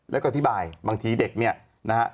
แล้วก็อธิบายบางทีเด็กเนี่ยนะฮะ